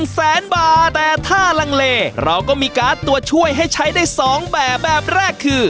แสนบาทแต่ถ้าลังเลเราก็มีการ์ดตัวช่วยให้ใช้ได้๒แบบแบบแรกคือ